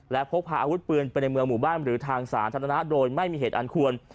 และพกพาอาวุธปืนไปในเมืองหมู่บ้านหรือทางสาธารณะโดยไม่มีเหตุอันควร